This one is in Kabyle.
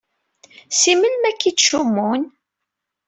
Si melmi akka i ttcummun?